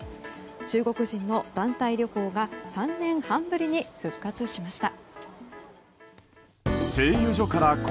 中国人の団体旅行が３年半ぶりに復活しました。